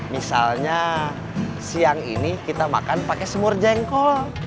misalnya siang ini kita makan pakai semur jengkol